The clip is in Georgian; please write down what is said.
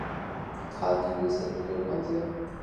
ქალაქი დიდი სატრანსპორტო კვანძია.